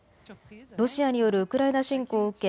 ロシアによるウクライナ侵攻を受け